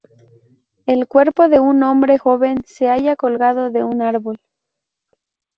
El cuerpo de un hombre joven se halla colgado de un árbol.